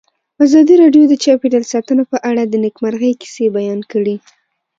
ازادي راډیو د چاپیریال ساتنه په اړه د نېکمرغۍ کیسې بیان کړې.